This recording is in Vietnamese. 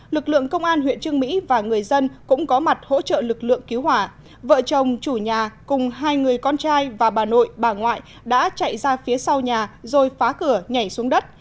lực lượng công an huyện trương mỹ và người dân cũng có mặt hỗ trợ lực lượng cứu hỏa vợ chồng chủ nhà cùng hai người con trai và bà nội bà ngoại đã chạy ra phía sau nhà rồi phá cửa nhảy xuống đất